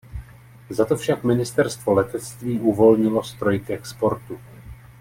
Za to však ministerstvo letectví uvolnilo stroj k exportu.